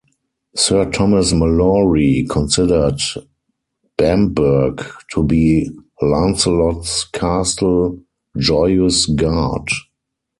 Sir Thomas Malory considered Bamburgh to be Lancelot's castle Joyous Gard.